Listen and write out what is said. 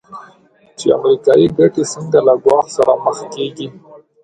چې امریکایي ګټې څنګه له ګواښ سره مخ کېږي.